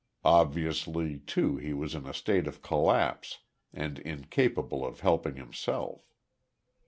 Obviously, too, he was in a state of collapse, and incapable of helping himself.